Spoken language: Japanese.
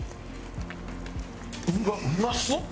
うわっうまそう！